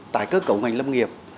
tài cơ cấu ngành lâm nghiệp